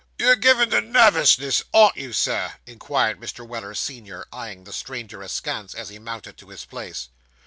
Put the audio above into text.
'You're given to nervousness, ain't you, Sir?' inquired Mr. Weller, senior, eyeing the stranger askance, as he mounted to his place.